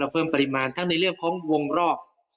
เพิ่มปริมาณทั้งในเรื่องของวงรอบ